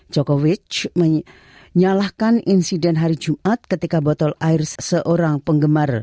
joko witch menyalahkan insiden hari jumat ketika botol air seorang penggemar